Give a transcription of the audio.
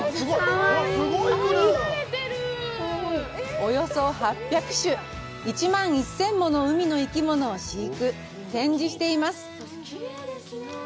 およそ８００種１万１０００もの海の生き物を飼育、展示しています。